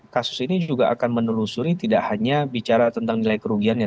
kasus ini juga akan menelusuri tidak hanya bicara tentang nilai kerugiannya